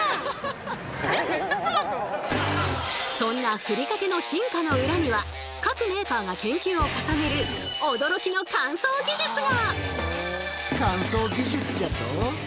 そんなふりかけの進化の裏には各メーカーが研究を重ねる驚きの乾燥技術が！